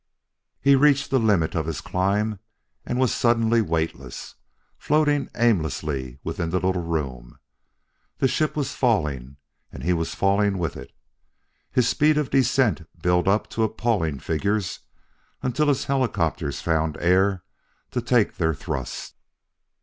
He reached the limit of his climb and was suddenly weightless, floating aimlessly within the little room; the ship was falling, and he was falling with it. His speed of descent built up to appalling figures until his helicopters found air to take their thrust.